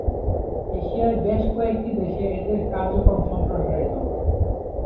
এশিয়ার বেশ কয়েকটি দেশে এদের কার্যক্রম সম্প্রসারিত।